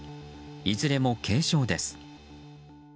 いずれも軽傷です。